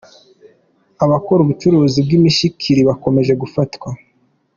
Abakora ubucuruzi bw’imishikiri bakomeje gufatwa